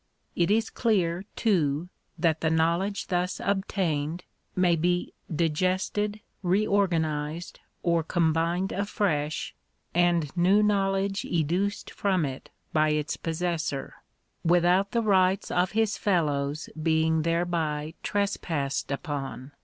It is clear, too, that the knowledge thus obtained may be digested, re organized, or combined afresh, and new knowledge educed from it by its possessor, without the rights of his fellows being thereby trespassed upon.